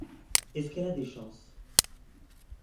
Est-ce qu'elle a des chances?